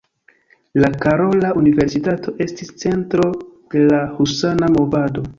La Karola Universitato estis centro de la husana movado.